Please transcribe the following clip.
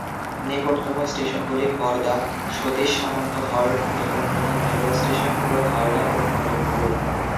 নিকটতম স্টেশনগুলি বরদা, সতীশ সামন্ত হল্ট এবং প্রধান রেলওয়ে স্টেশন হল হাওড়া এবং খড়গপুর।